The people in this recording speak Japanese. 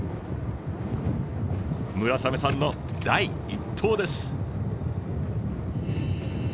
村雨さんの第１投です。